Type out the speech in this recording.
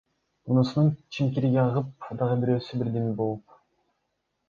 Мунусунун чимкириги агып, дагы бирөөсү бирдеме болуп!